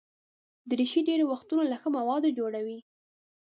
دریشي ډېری وختونه له ښه موادو جوړه وي.